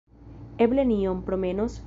Eble ni iom promenos?